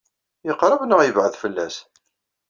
Yeqṛeb neɣ yebɛed fell-as?